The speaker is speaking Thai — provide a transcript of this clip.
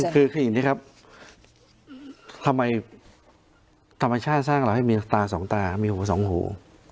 คืออย่างนี้ครับทำไมธรรมชาติสร้างเราให้มีตาสองตามีหูสองหู